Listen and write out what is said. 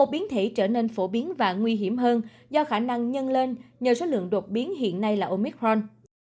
biến thể trở nên phổ biến và nguy hiểm hơn do khả năng nhân lên nhờ số lượng đột biến hiện nay là omitron